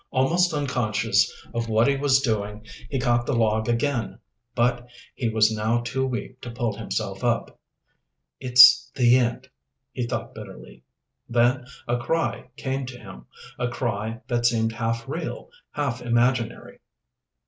Almost unconscious of what he was doing, he caught the log again. But he was now too weak to pull himself up. "It's the end," he thought bitterly. Then a cry came to him, a cry that seemed half real, half imaginary.